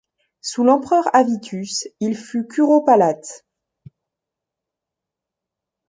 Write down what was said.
Sous l'empereur Avitus il fut curopalate.